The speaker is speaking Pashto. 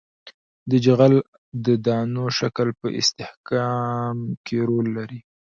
د جغل د دانو شکل په استحکام کې رول لري